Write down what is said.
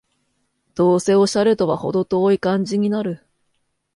どうせオシャレとはほど遠い感じになる